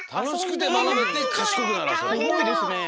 すごいですね。